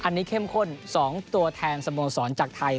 อันนี้เข้มข้น๒ตัวแทนสโมสรจากไทย